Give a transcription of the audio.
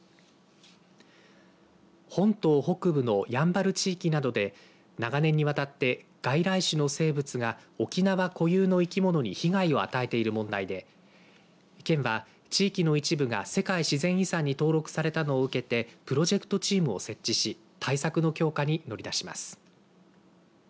本島北部のやんばる地域などで長年にわたって外来種の生物が沖縄固有の生き物に被害を与えている問題で県は地域の一部が世界自然遺産に登録されたのを受けてプロジェクトチームを設置し対策の強化に乗り出します。